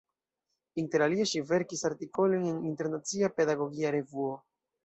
Interalie ŝi verkis artikolojn en "Internacia Pedagogia Revuo.